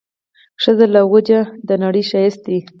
ښځې له وجه د نړۍ ښايست دی